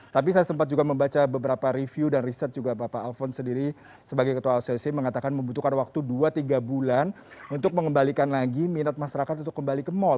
tapi saya sempat juga membaca beberapa review dan riset juga bapak alfon sendiri sebagai ketua asosic mengatakan membutuhkan waktu dua tiga bulan untuk mengembalikan lagi minat masyarakat untuk kembali ke mall